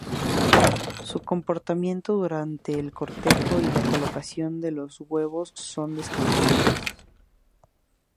Su comportamiento durante el cortejo y la colocación de huevos son desconocidos.